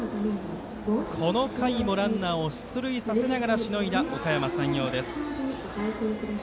この回もランナーを出塁させながらしのいだ、おかやま山陽です。